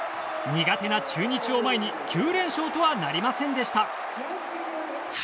苦手な中日を前に９連勝とはなりませんでした。